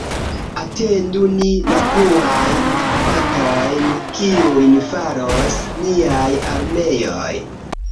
Atendu ni la pluajn batojn, kiujn faros niaj armeoj.